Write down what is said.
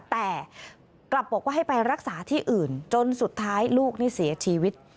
แต่กลับบอกว่าให้ไปรักษาที่อื่นจนสุดท้ายลูกนี่เสียชีวิต